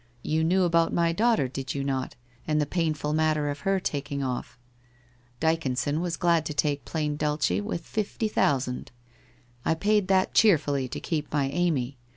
You knew about my daughter, did not you, and the painful matter of her taking off? Dycon son was glad to take plain Dulce with fifty thousand. I paid that cheerfully to keep my Amy.